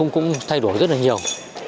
cũng thay đổi rất là nhiều